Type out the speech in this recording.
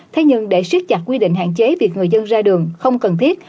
thế nhưng để siết chặt quy định hạn chế việc người dân ra đường không cần thiết